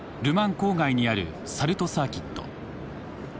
郊外にあるサルトサーキット。